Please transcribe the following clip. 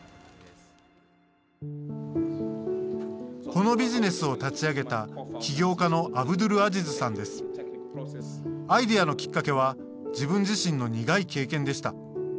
このビジネスを立ち上げたアイデアのきっかけは自分自身の苦い経験でした。